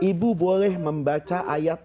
ibu boleh membaca ayat